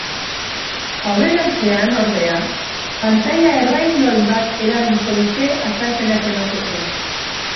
Aurrerantzean, ordea, pantaila erraldoi bat erabiliko dute azalpenak emateko.